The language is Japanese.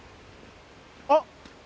あっ！